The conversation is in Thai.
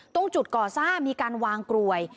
ตรงจุดก่อสร้างมีการวางกลวย